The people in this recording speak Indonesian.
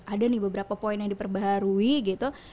ada nih beberapa poin yang diperbarui gitu